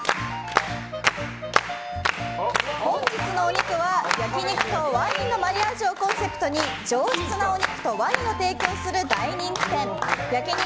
本日のお肉は焼き肉とワインのマリアージュをコンセプトに上質なお肉とワインを提供する大人気店焼肉